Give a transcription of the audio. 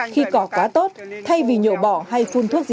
khi cỏ quá tốt thay vì nhộ bỏ hay phun thuốc sáng